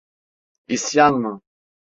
İsyan mı?